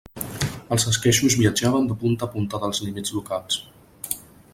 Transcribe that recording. Els esqueixos viatjaven de punta a punta dels límits locals.